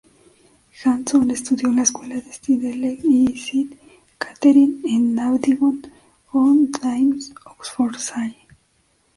Hanson estudió en la escuela de St Helen y St Katharine en Abingdon-on-Thames, Oxfordshire.